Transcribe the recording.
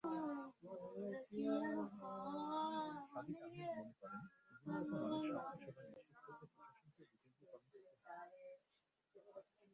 সাদিক আহমেদ মনে করেন, গুণগত মানের স্বাস্থ্যসেবা নিশ্চিত করতে প্রশাসনকে বিকেন্দ্রীকরণ করতে হবে।